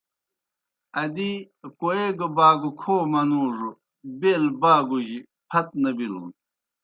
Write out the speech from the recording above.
ادی کوئے گہ باگوْ کھو منُوڙوْ بیل باگوْجیْ پھت نہ بِلُن۔